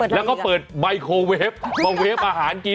แล้วก็เปิดไมโครเวฟมาเวฟอาหารกิน